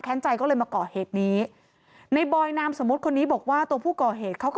ใจก็เลยมาก่อเหตุนี้ในบอยนามสมมุติคนนี้บอกว่าตัวผู้ก่อเหตุเขาก็